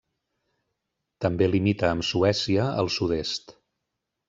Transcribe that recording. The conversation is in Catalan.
També limita amb Suècia al sud-est.